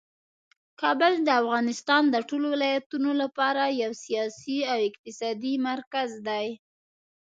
کابل د افغانستان د ټولو ولایتونو لپاره یو سیاسي او اقتصادي مرکز دی.